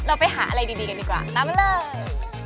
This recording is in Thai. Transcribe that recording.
เราไปหาอะไรดีกันดีกว่าตามมาเลย